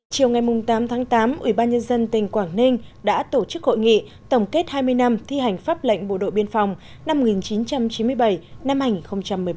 chiều ngày tám tháng tám ủy ban nhân dân tỉnh quảng ninh đã tổ chức hội nghị tổng kết hai mươi năm thi hành pháp lệnh bộ đội biên phòng năm một nghìn chín trăm chín mươi bảy năm hành một mươi bảy